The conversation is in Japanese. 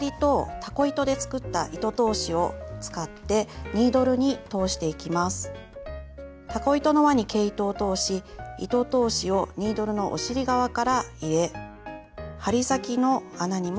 たこ糸の輪に毛糸を通し糸通しをニードルのお尻側から入れ針先の穴にも通していきます。